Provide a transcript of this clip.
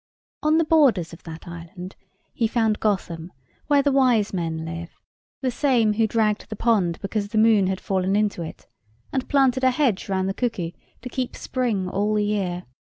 On the borders of that island he found Gotham, where the wise men live; the same who dragged the pond because the moon had fallen into it, and planted a hedge round the cuckoo, to keep spring all the year.